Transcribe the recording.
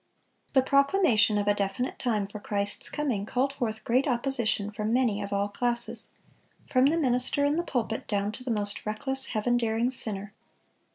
The proclamation of a definite time for Christ's coming called forth great opposition from many of all classes, from the minister in the pulpit down to the most reckless, Heaven daring sinner.